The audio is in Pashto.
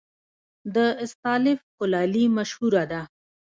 د استالف کلالي مشهوره ده